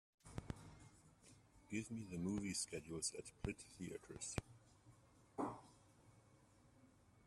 Give me the movie schedules at Plitt Theatres